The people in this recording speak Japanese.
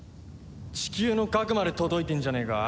チキューの核まで届いてんじゃねえか？